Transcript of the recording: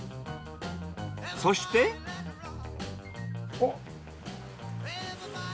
そして。おっ。